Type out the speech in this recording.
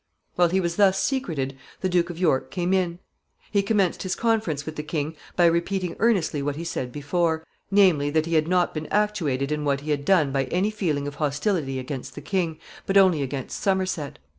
While he was thus secreted, the Duke of York came in. He commenced his conference with the king by repeating earnestly what he said before, namely, that he had not been actuated in what he had done by any feeling of hostility against the king, but only against Somerset.